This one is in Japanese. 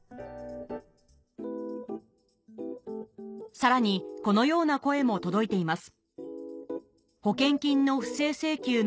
さらにこのような声も届いています